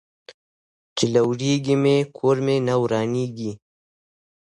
ـ چې لوريږي مې، کور مې نه ورانيږي.